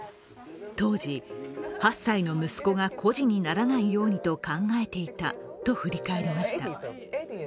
当時８歳の息子が孤児にならないようにと考えていたと振り返りました。